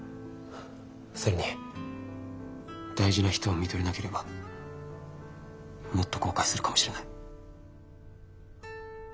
それに大事な人をみとれなければもっと後悔するかもしれない。